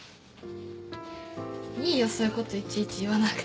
いいよそういうこといちいち言わなくて。